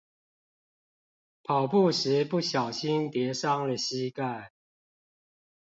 跑步時不小心跌傷了膝蓋